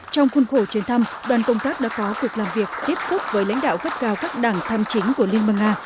trong khuôn khổ chuyến thăm đoàn công tác đã có cuộc làm việc tiếp xúc với lãnh đạo cấp cao các đảng tham chính của liên bang nga